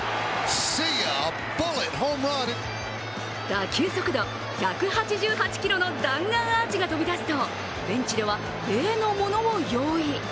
打球速度１８８キロの弾丸アーチが飛び出すと、ベンチでは例のものを用意。